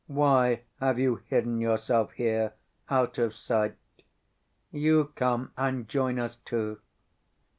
"Why have you hidden yourself here, out of sight? You come and join us too."